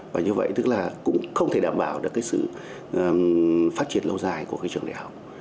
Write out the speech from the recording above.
và như vậy tức là cũng không thể đảm bảo được cái sự phát triển lâu dài của trường đại học